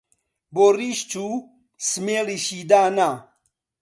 بۆ ڕیش جوو سمێڵیشی دانا